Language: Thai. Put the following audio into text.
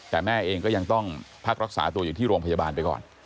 แต่แม่เองก็ยังต้องพักรักษาตัวอยู่ที่โรงพยาบาลไปก่อน